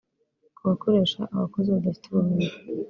Ku bakoresha abakozi badafite ubumenyi